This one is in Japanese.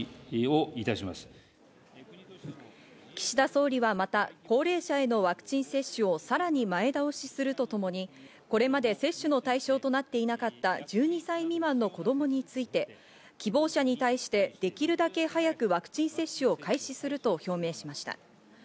岸田総理はまた高齢者へのワクチン接種をさらに前倒しするとともにこれまで接種の対象となっていなかった１２歳未満の子供について、希望者に対してできるだけ早くワクチン接種を開始すると表明しました。